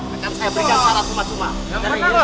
akan saya berikan secara cuma cuma